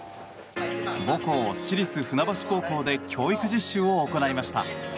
母校・市立船橋高校で教育実習を行いました。